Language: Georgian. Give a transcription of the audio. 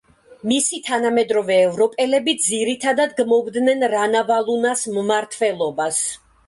მისი თანამედროვე ევროპელები ძირითადად გმობდნენ რანავალუნას მმართველობას.